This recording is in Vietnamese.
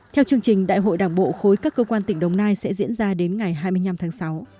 theo chương trình đại hội đảng bộ khối các cơ quan tỉnh đồng nai sẽ diễn ra đến ngày hai mươi năm tháng sáu